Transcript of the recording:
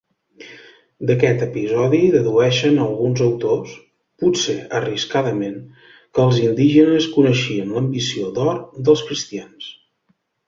D'aquest episodi dedueixen alguns autors, potser arriscadament, que els indígenes coneixien l'ambició d'or dels cristians.